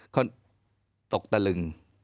เขาตกตะลึง